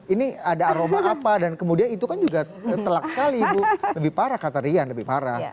ini ada aroma apa dan kemudian itu kan juga telak sekali ibu lebih parah kata rian lebih parah